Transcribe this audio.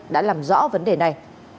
đã làm rõ vấn đề này